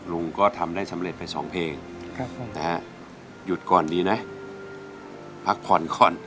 ลุงก็ทำได้สำเร็จไปสองเพลงนะฮะหยุดก่อนดีนะพักผ่อนก่อน